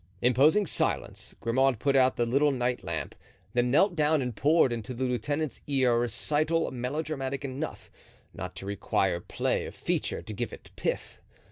Imposing silence, Grimaud put out the little night lamp, then knelt down and poured into the lieutenant's ear a recital melodramatic enough not to require play of feature to give it pith.